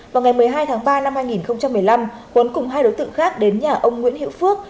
vào ngày một mươi hai tháng ba năm hai nghìn một mươi năm huấn cùng hai đối tượng khác đến nhà ông nguyễn hiệu phước